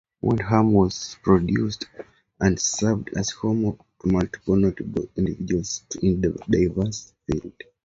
Windham has produced and served as home to multiple notable individuals in diverse fields.